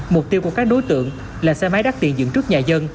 mục tiêu của các đối tượng là xe máy đắt tiền dựng trước nhà dân